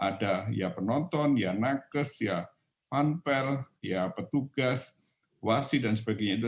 ada ya penonton ya nakes ya panpel ya petugas ada ya penonton ya penonton dan penonton